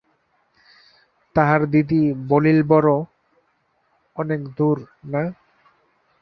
তাহার দিদি বলিলবড় অনেক দূর, না।